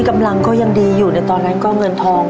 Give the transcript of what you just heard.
กำลังก็ยังดีอยู่ในตอนนั้นก็เงินทอง